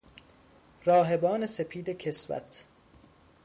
راهبان سپید کسوت